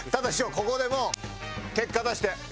ここでもう結果出して。